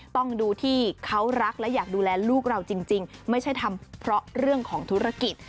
ต้องดูที่เขารักและอยากดูแลลูกเราจริงไม่ใช่ทำเพราะเรื่องของธุรกิจ